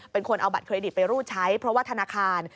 เป็นคนเอาบัตรเครดิตไปรูดใช้เพราะว่าธนาคาร